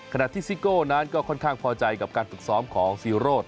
ซิโก้นั้นก็ค่อนข้างพอใจกับการฝึกซ้อมของซีโรธ